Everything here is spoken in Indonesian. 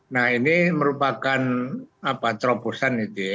nah ini merupakan terobosan gitu ya